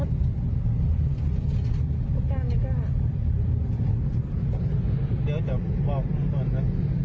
เดี๋ยวจำบอกคุณก่อนนะ